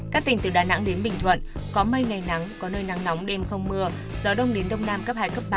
các tỉnh từ đà nẵng đến bình thuận có mây ngày nắng có nơi nắng nóng đêm không mưa gió đông đến đông nam cấp hai cấp ba